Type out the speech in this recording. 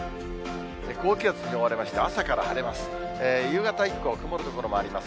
高気圧に覆われまして、朝から晴れます。